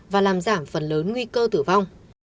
và làm giảm phần lớn nguy cơ tử vong